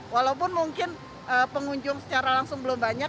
walaupun mungkin pengunjung secara langsung belum banyak